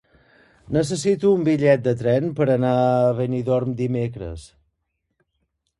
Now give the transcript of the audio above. Necessito un bitllet de tren per anar a Benidorm dimecres.